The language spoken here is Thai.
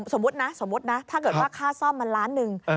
สมมุตินะสมมุตินะถ้าเกิดว่าค่าซ่อมมันล้านหนึ่ง